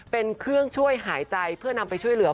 เป็นเครื่องช่วยหายใจเพื่อนำไปช่วยเหลือ